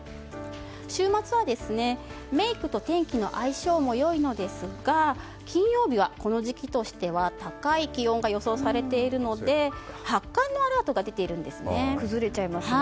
週末はメイクと天気の相性も良いのですが金曜日は、この時期としては高い気温が予想されているので発汗のアラートが出ているんですね。